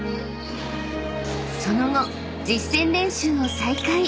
［その後実戦練習を再開］